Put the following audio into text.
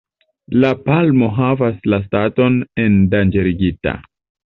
La palmo havas la staton "endanĝerita“.